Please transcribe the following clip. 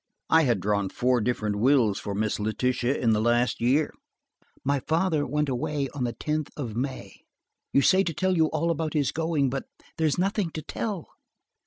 I had drawn four different wills for Miss Letitia in the last year. "My father went way on the tenth of May. You say to tell you all about his going, but there is nothing to tell.